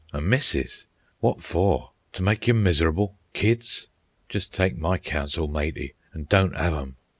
A missus! Wot for? T' make you mis'rable? Kids? Jest take my counsel, matey, an' don't 'ave 'em.